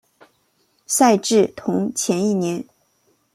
赛制同前一年。